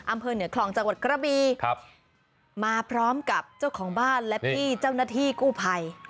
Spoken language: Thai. อำเภอเหนือคลองจังหวัดกระบีครับมาพร้อมกับเจ้าของบ้านและพี่เจ้าหน้าที่กู้ภัย